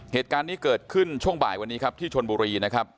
เหตุการณ์นี้เกิดขึ้นช่วงบ่ายวันนี้ครับที่ชนบุรีนะครับ